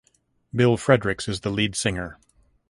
Bill Fredericks is the lead singer.